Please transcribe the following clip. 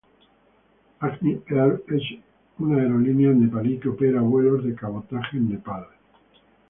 Agni Air es una aerolínea nepalí que opera vuelos de cabotaje en Nepal.